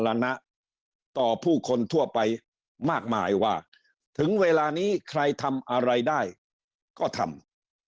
รณะต่อผู้คนทั่วไปมากมายว่าถึงเวลานี้ใครทำอะไรได้ก็ทำ